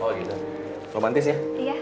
oh gitu romantis ya